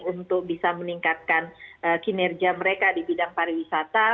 untuk bisa meningkatkan kinerja mereka di bidang pariwisata